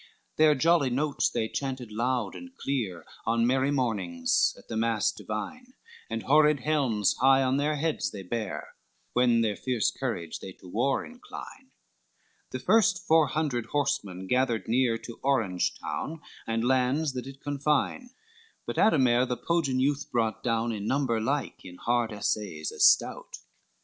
XXXIX Their jolly notes they chanted loud and clear On merry mornings at the mass divine, And horrid helms high on their heads they bear When their fierce courage they to war incline: The first four hundred horsemen gathered near To Orange town, and lands that it confine: But Ademare the Poggian youth brought out, In number like, in hard assays as stout.